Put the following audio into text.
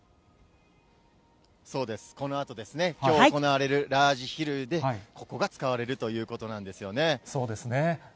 そうです、このあとですね、きょう行われるラージヒルで、ここが使われるということなんですよね。